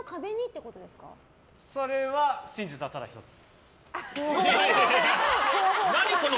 それは真実はただ１つ。